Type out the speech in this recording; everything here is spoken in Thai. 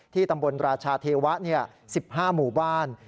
ตำบลราชาเทวะ๑๕หมู่บ้าน